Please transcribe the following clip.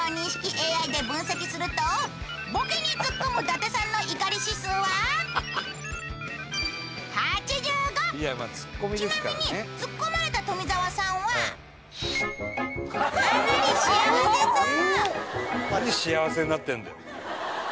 ＡＩで分析するとボケにツッコむ伊達さんの怒り指数は８５ちなみにツッコまれた富澤さんはかなり幸せそう！